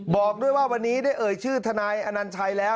บอกด้วยว่าวันนี้ได้เอ่ยชื่อทนายอนัญชัยแล้ว